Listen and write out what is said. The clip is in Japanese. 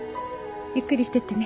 ゆっくりしてってね。